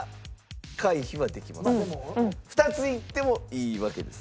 ２ついってもいいわけですね。